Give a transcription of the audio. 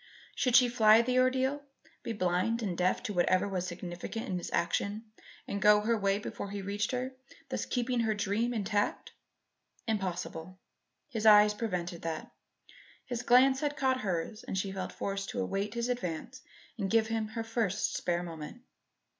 Should she fly the ordeal? Be blind and deaf to whatever was significant in his action, and go her way before he reached her; thus keeping her dream intact? Impossible. His eye prevented that. His glance had caught hers and she felt forced to await his advance and give him her first spare moment.